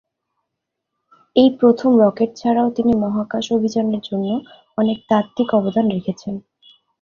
এই প্রথম রকেট ছাড়াও তিনি মহাকাশ অভিযানের জন্য অনেক তাত্ত্বিক অবদান রেখেছেন।